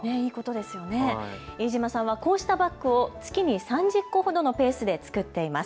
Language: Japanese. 飯塚さんはこうしたバッグを月に３０個ほどのペースでつくっています。